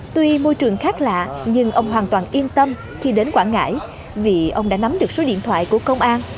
tuy môi trường khác lạ nhưng ông hoàn toàn yên tâm khi đến quảng ngãi vì ông đã nắm được số điện thoại của công an